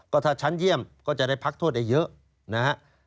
ก็ถ้าชั้นเยี่ยมก็จะได้พักโทษใหญ่เยอะ